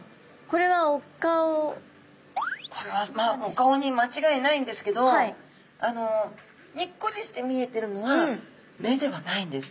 これはお顔に間違いないんですけどにっこりして見えてるのは目ではないんです。